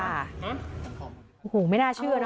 หูหูไม่น่าเชื่อนะ